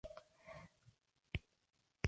Tomará parte activa en los sucesos de Mayo.